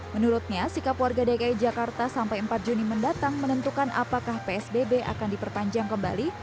menurutnya sikap warga dki jakarta sampai empat juni mendatang menentukan apakah psbb akan diperpanjang kembali